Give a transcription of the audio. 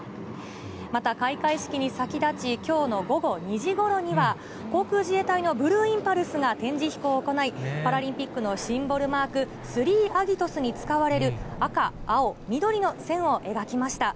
また、開会式に先立ち、きょうの午後２時ごろには、航空自衛隊のブルーインパルスが展示飛行を行い、パラリンピックのシンボルマーク、スリーアギトスに使われる赤、青、緑の線を描きました。